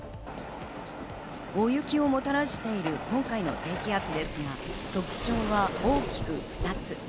大雪をもたらしている今回の低気圧ですが、特徴は大きく２つ。